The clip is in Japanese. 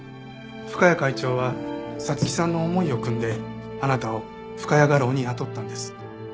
深谷会長は彩月さんの思いをくんであなたを深谷画廊に雇ったんです。